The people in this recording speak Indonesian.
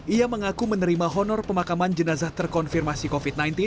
ia mengaku menerima honor pemakaman jenazah terkonfirmasi covid sembilan belas